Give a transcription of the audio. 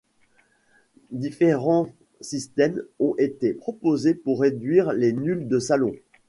Différents systèmes ont été proposés pour réduire les nulles de salon.